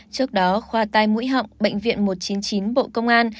trước đó khoa tai mũi họng bệnh viện một trăm chín mươi chín bộ công an